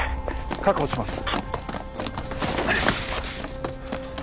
確保します。